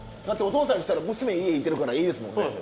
だってお父さんにしたら娘家いてるからいいですもんね。